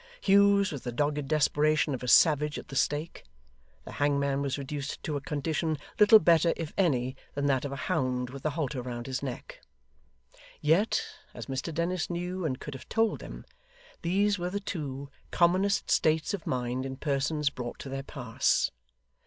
Hugh's was the dogged desperation of a savage at the stake; the hangman was reduced to a condition little better, if any, than that of a hound with the halter round his neck. Yet, as Mr Dennis knew and could have told them, these were the two commonest states of mind in persons brought to their pass.